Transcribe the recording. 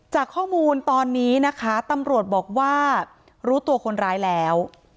จากข้อมูลตอนนี้นะคะตำรวจบอกว่ารู้ตัวคนร้ายแล้ว